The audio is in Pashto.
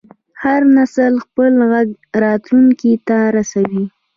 هر نسل خپل غږ راتلونکي ته رسوي.